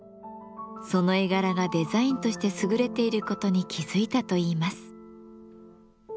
その絵柄がデザインとして優れていることに気付いたといいます。